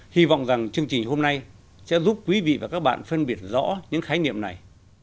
hy vọng rằng chương trình hôm nay sẽ giúp quý vị và các bạn phân biệt rõ những khái niệm này